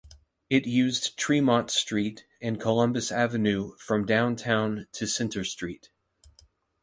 It used Tremont Street and Columbus Avenue from downtown to Centre Street.